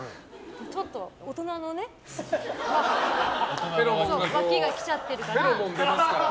ちょっと大人のねわきが来ちゃってるから。